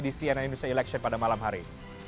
di cnn indonesia election pada malam hari